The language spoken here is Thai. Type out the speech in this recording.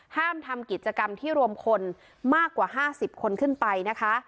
ห้ามทำกิจกรรมที่รวมคนมากกว่า๕๐คนขึ้นไปนะคะ